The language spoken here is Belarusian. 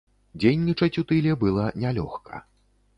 Дзейнічаць у тыле была нялёгка.